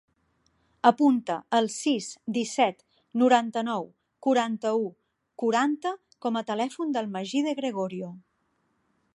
Apunta el sis, disset, noranta-nou, quaranta-u, quaranta com a telèfon del Magí De Gregorio.